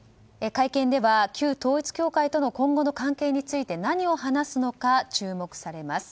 会見では旧統一教会との今後の関係について何を話すのか注目されます。